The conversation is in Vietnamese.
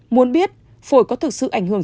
muốn biết phổi có thực sự ảnh hưởng